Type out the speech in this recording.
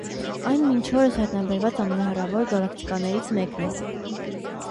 Այն մինչ օրս հայտնաբերված ամենահեռավոր գալակտիկաներից մեկն է։